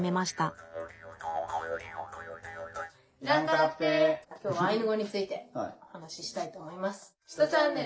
今日はアイヌ語についてお話ししたいと思います。